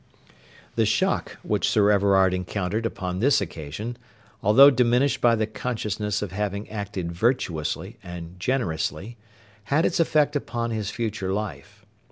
The shock which Sir Everard encountered upon this occasion, although diminished by the consciousness of having acted virtuously and generously had its effect upon his future life.